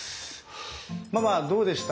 ママどうでした？